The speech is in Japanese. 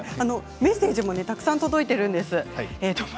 メッセージもたくさんいただいています。